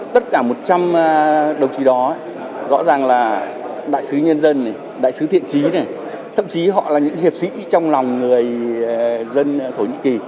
tất cả một trăm linh đồng chí đó rõ ràng là đại sứ nhân dân này đại sứ thiện trí này thậm chí họ là những hiệp sĩ trong lòng người dân thổ nhĩ kỳ